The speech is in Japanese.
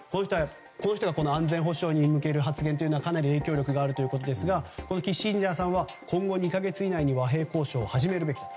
この人の安全保障に向ける発言はかなり影響力があるようですがキッシンジャーさんは今後２か月以内に和平交渉を始めるべきだ。